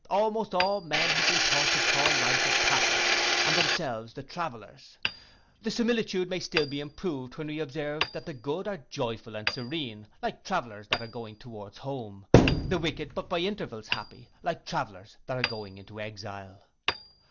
Almost all men have been taught to call life a passage, and themselves the travellers. The similitude still may be improved when we observe that the good are joyful and serene, like travellers that are going towards home; the wicked but by intervals happy, like travellers that are going into exile.